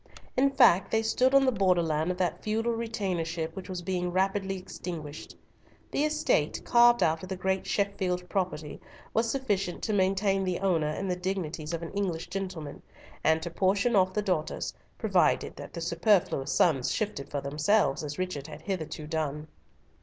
In fact, they stood on the borderland of that feudal retainership which was being rapidly extinguished. The estate, carved out of the great Sheffield property, was sufficient to maintain the owner in the dignities of an English gentleman, and to portion off the daughters, provided that the superfluous sons shifted for themselves, as Richard had hitherto done.